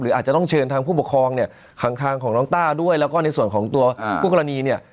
อาจจะต้องเชิญทางผู้ปกครองเนี่ยข้างทางของน้องต้าด้วยแล้วก็ในส่วนของตัวผู้กรณีเนี่ย